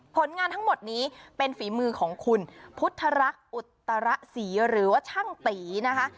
ผลงานทั้งหมดนี้เป็นฝีมือของคุณพุทธรักษ์อุตระศรีหรือว่าช่างตีนะคะ